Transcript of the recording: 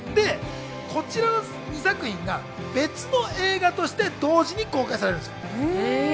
こちらの２作品が別の映画として同時に公開されるんです。